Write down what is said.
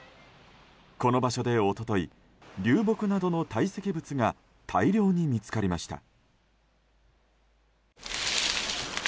この場所で一昨日、流木などの堆積物が大量に見つかりました。